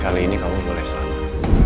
kali ini kamu boleh salah